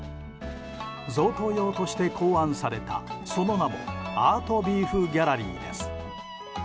贈答用として考案されたその名もアートビーフギャラリーです。